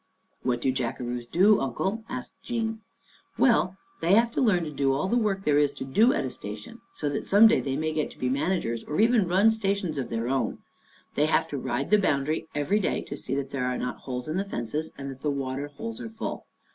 "What do jackaroos do, Uncle?" asked Jean. " Well, they have to learn to do all the work there is to do at a station, so that some day they may get to be managers or even run stations of Life at Djerinallum 55 their own. They have to ride the boundary every day to see that there are not holes in the fences, and that the water holes are full.